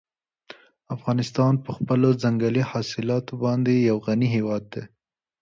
افغانستان په خپلو ځنګلي حاصلاتو باندې یو غني هېواد دی.